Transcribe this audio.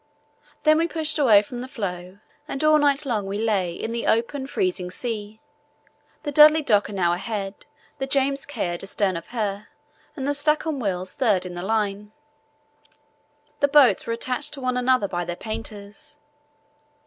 Then we pushed away from the floe, and all night long we lay in the open, freezing sea, the Dudley Docker now ahead, the James Caird astern of her, and the Stancomb Wills third in the line. The boats were attached to one another by their painters.